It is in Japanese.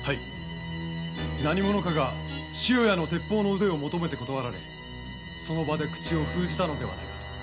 何者かが塩谷の鉄砲の腕を求めて断られ口を封じたのでは？